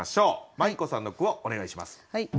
まい子さんの句をお願いします。